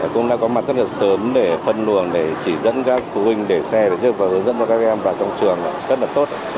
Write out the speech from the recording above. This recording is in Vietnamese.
cũng đã có mặt rất là sớm để phân luồng để chỉ dẫn các phụ huynh để xe và dư và hướng dẫn cho các em vào trong trường rất là tốt